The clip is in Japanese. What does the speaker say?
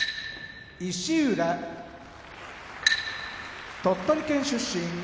石浦鳥取県出身